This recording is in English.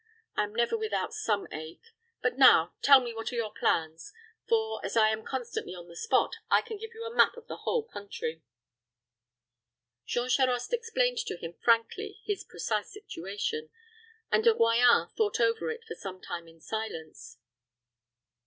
I am never without some ache. But now tell me what are your plans; for, as I am constantly on the spot, I can give you a map of the whole country." Jean Charost explained to him frankly his precise situation, and De Royans thought over it for some time in silence.